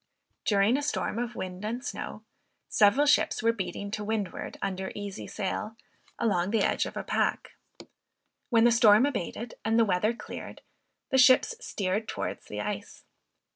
During a storm of wind and snow several ships were beating to windward, under easy sail, along the edge of a pack. When the storm abated and the weather cleared, the ships steered towards the ice.